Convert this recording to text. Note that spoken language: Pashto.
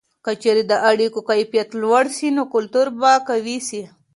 که چیرې د اړیکو کیفیت لوړه سي، نو کلتور به قوي سي.